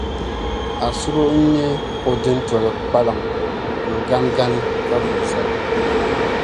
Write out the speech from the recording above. Asuro n-yɛ o dintoli kpalaŋa n-ganigani ka guui zali.